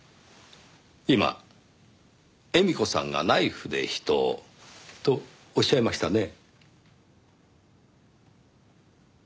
今「絵美子さんがナイフで人を」とおっしゃいましたね？